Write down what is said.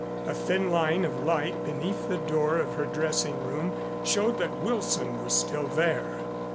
A thin line of light beneath the door of her dressing room showed that Wilson was still there.